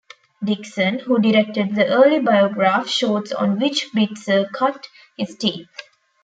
Dickson, who directed the early Biograph shorts on which Bitzer cut his teeth.